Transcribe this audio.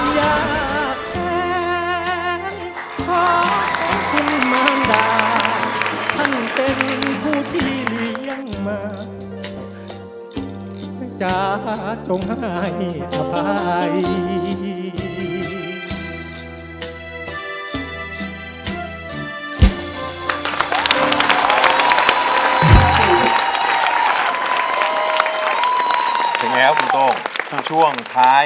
อยากแท้ขอบคุณมารดา